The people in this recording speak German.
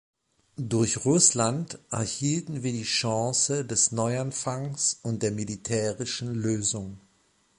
Durch Russland erhielten wir die Chance des Neuanfangs und der militärischen Lösung.